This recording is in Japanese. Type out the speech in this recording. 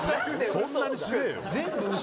そんなにしねえよ。